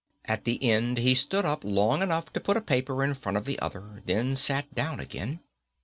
At the end he stood up long enough to put a paper in front of the other, then sat down again.